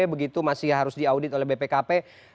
begitu masih harus diaudit oleh bpkp